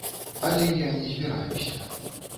Але я не збіраюся.